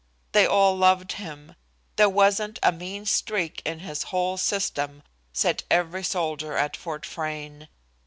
They all loved him. There wasn't "a mean streak in his whole system," said every soldier at Fort Frayne.